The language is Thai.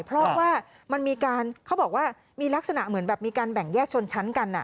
เพราะว่ามันมีการเขาบอกว่ามีลักษณะเหมือนแบบมีการแบ่งแยกชนชั้นกัน